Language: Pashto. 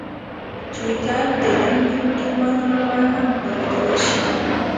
ټویټر د لنډو ویډیوګانو لپاره هم کارېدلی شي.